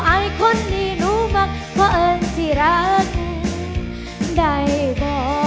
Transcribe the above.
ไอ้คนที่หนูมาเพราะเอิญที่รักได้บ่